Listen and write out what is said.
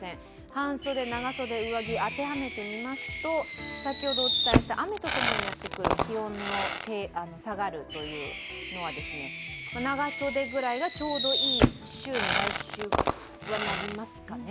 半袖、長袖、上着、当てはめてみますと、先ほどお伝えした、雨とともにやってくる気温が下がるというのは、長袖くらいがちょうどいい週に来週はなりますかね。